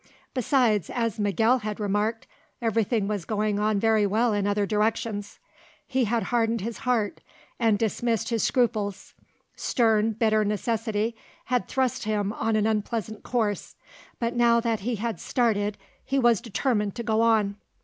Besides, as Miguel had remarked, everything was going on very well in other directions. He had hardened his heart and dismissed his scruples; stern, bitter necessity had thrust him on an unpleasant course, but now that he had started he was determined to go on.